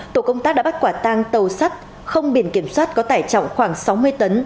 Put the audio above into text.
tổ công tác đã bắt quả tang tàu sắt không biển kiểm soát có tải trọng khoảng sáu mươi tấn